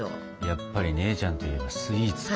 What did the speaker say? やっぱり姉ちゃんといえばスイーツか。